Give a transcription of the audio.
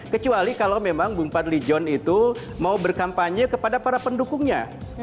kecuali kalau memang bumpan lijon itu mau berkampanye kepada para pendukungnya